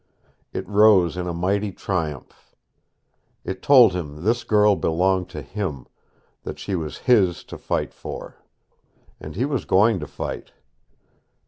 It rose in a mighty triumph. It told him this girl belonged to him, that she was his to fight for. And he was going to fight.